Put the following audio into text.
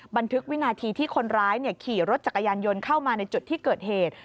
บันทึกวินาทีที่คนร้ายขี่รถจักรยานยนต์เข้ามาในจุดที่เกิดเหตุ